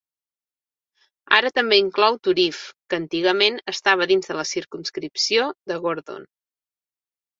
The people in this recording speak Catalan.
Ara també inclou Turriff, que antigament estava dins de la circumscripció de Gordon.